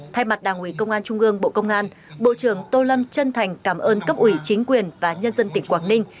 thay mặt đảng ủy công an trung gương bộ công an bộ trưởng tô lâm chân thành cảm ơn cấp ủy chính quyền và nhân dân tỉnh quảng ninh